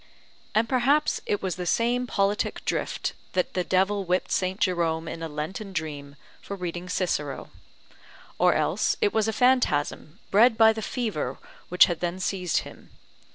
And perhaps it was the same politic drift that the devil whipped St. Jerome in a lenten dream, for reading Cicero; or else it was a phantasm bred by the fever which had then seized him.